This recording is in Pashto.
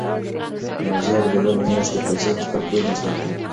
نازیه به د بلې میاشتې پیسې په خپل کور مصرف کړي.